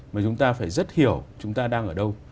mà chúng ta phải rất hiểu chúng ta đang ở đâu